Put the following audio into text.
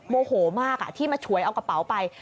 โมโหมากที่มาฉวยเอากระเป๋าไป